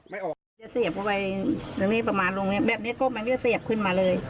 เสียบออกไปประมาณลงแบบนี้ก้มมันก็เสียบขึ้นมาเลย